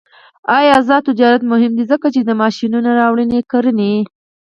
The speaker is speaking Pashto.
آزاد تجارت مهم دی ځکه چې ماشینونه راوړي کرنې.